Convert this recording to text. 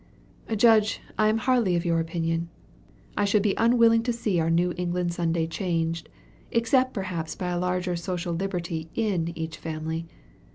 "Judge, I am hardly of your opinion. I should be unwilling to see our New England Sunday changed, except perhaps by a larger social liberty in each family.